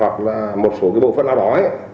hoặc là một số cái bộ phận nào đó ấy